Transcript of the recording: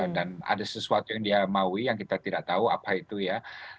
dan ada sesuatu yang dia mau yang kita tidak tahu apa itu ya